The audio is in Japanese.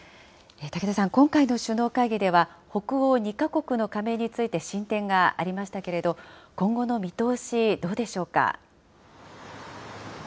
竹田さん、今回の首脳会議では、北欧２か国の加盟について進展がありましたけれど、今後の見通し、どうでしょうか。